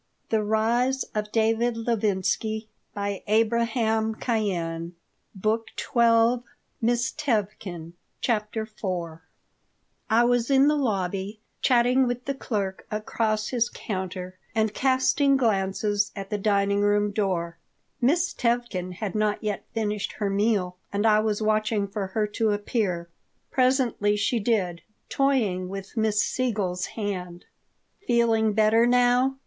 The musicians obeyed and we all sang the anthem from the bottom of our souls CHAPTER IV I WAS in the lobby, chatting with the clerk across his counter and casting glances at the dining room door. Miss Tevkin had not yet finished her meal and I was watching for her to appear. Presently she did, toying with Miss Siegel's hand "Feeling better now?"